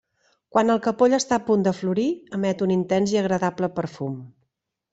Quan el capoll està a punt de florir, emet un intens i agradable perfum.